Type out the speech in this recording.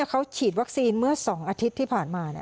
เขาฉีดวัคซีนเมื่อ๒อาทิตย์ที่ผ่านมา